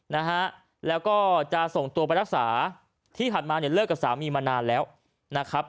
นะฮะแล้วก็จะส่งตัวไปรักษาที่ผ่านมาเนี่ยเลิกกับสามีมานานแล้วนะครับ